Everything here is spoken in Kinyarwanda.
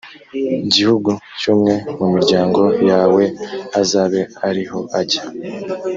gihugu cy umwe mu miryango yawe azabe ari ho ajya